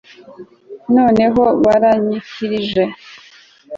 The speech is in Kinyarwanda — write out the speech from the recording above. Noneho baranyikikije